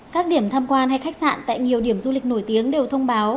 các điểm tham quan hay khách sạn tại nhiều điểm du lịch nổi tiếng đều thông báo